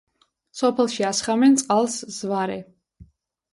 სოფელში ასხამენ წყალს „ზვარე“.